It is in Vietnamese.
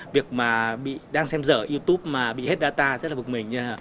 việc mà đang xem dở youtube mà bị hết data rất là bục mình